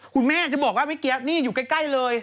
คุณแม่ฉันแบบไม่แกี้ยนี่อยู่ใกล้เลย